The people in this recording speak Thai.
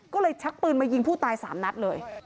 ก็เลยชักปืนมายิงผู้ตาย๓นัดเลย